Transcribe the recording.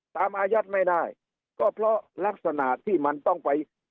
อายัดไม่ได้ก็เพราะลักษณะที่มันต้องไป